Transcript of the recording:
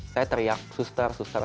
saya teriak sustar sustar